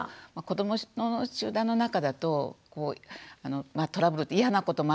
子どもの集団の中だとトラブル嫌なこともあるけど